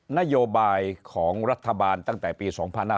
นโยบายของรัฐบาลตั้งแต่ปี๒๕๕๙